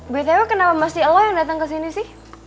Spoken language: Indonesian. btw kenapa mesti lo yang dateng kesini sih